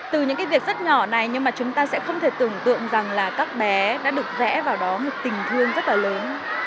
từ những việc rất nhỏ này chúng ta sẽ không thể tưởng tượng rằng các bé đã được vẽ vào đó một tình thương rất lớn